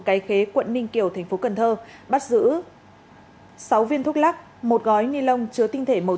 cái khế quận ninh kiều thành phố cần thơ bắt giữ sáu viên thuốc lắc một gói ni lông chứa tinh thể màu trắng